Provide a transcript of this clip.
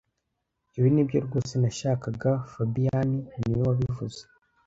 Ibi nibyo rwose nashakaga fabien niwe wabivuze